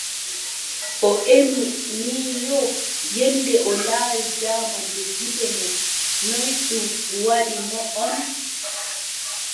O ƴemi ni yo, yennde o laari jaman bee gite mon ,noy ɗum waɗi on ?